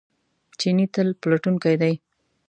چیني تل پلټونکی دی.